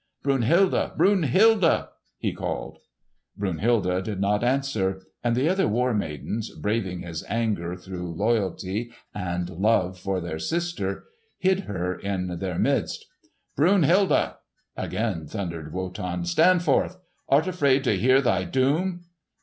"Brunhilde! Brunhilde!" he called. Brunhilde did not answer; and the other War Maidens, braving his anger through loyalty and love for their sister, hid her in their midst. "Brunhilde!" again thundered Wotan, "stand forth! Art afraid to hear thy doom?"